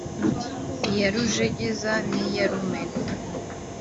Iya rujegeza niya rumena